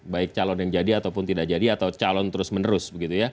baik calon yang jadi ataupun tidak jadi atau calon terus menerus